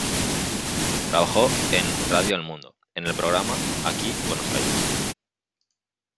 Trabajó en Radio El Mundo en el programa "Aquí... Buenos Aires!!